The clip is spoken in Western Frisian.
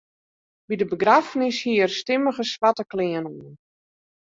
By de begraffenis hie er stimmige swarte klean oan.